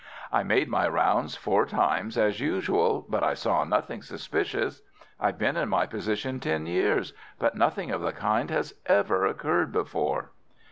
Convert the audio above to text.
"I made my rounds four times, as usual, but I saw nothing suspicious. I've been in my position ten years, but nothing of the kind has ever occurred before."